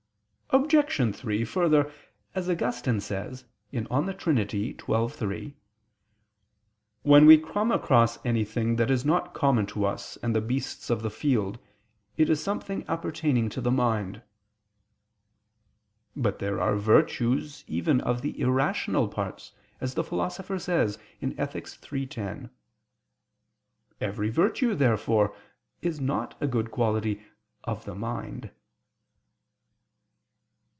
Obj. 3: Further, as Augustine says (De Trin. xii, 3): "When we come across anything that is not common to us and the beasts of the field, it is something appertaining to the mind." But there are virtues even of the irrational parts; as the Philosopher says (Ethic. iii, 10). Every virtue, therefore, is not a good quality "of the mind."